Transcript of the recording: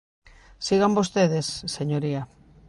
Sigan vostedes, señoría.